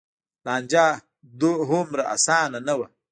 لانجه هومره لویه نه وه.